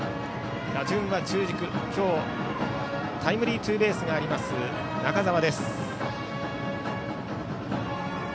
打順は中軸今日タイムリーツーベースがあります中澤。